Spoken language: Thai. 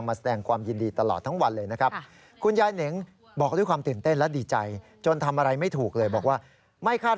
น่าจะเป็นอานิสงฆ์ของการทำความดีและเป็นคนชอบทำบุญด้วยนะครับ